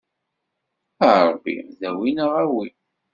A Ṛebbi, dawi neɣ awi!